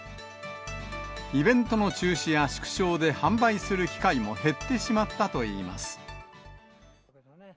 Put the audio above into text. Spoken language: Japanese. イベントの中止や縮小で販売する機会も減ってしまったといいます。